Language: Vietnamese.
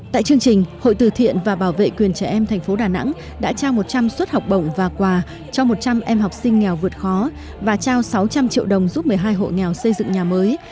tại chương trình hội từ thiện và bảo vệ quyền trẻ em thành phố đà nẵng đã trao một trăm linh suất học bổng và quà cho một trăm linh em học sinh nghèo vượt khó và trao sáu trăm linh triệu đồng giúp một mươi hai hộ nghèo xây dựng nhà mới